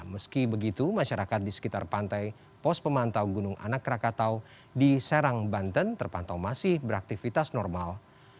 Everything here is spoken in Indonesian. meski begitu masyarakat di sekitar pantai pos pemantau gunung anak rakatau di serang banten terpantau masih beraktivitas normal